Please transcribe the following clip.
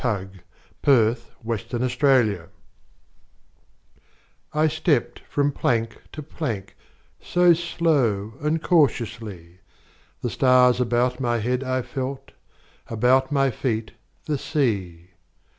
Part One: Life CXXXVI I STEPPED from plank to plankSo slow and cautiously; The stars about my head I felt, About my feet the sea.